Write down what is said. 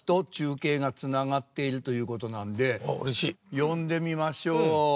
呼んでみましょう。